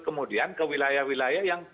kemudian ke wilayah wilayah yang